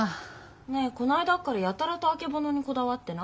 ねえこの間からやたらと「あけぼの」にこだわってない？